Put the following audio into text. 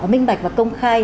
minh bạch và công khai